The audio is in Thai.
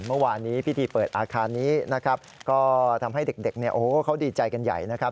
เมื่อวานนี้พิธีเปิดอาคารนี้นะครับก็ทำให้เด็กเนี่ยโอ้โหเขาดีใจกันใหญ่นะครับ